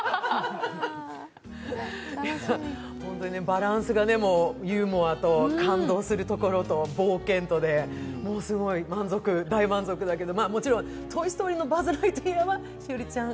バランスがもう、ユーモアと、感動するところと、冒険とでもうすごい大満足だけど、もちろん「トイ・ストーリー」の「バズ・ライトイヤー」は栞里ちゃん？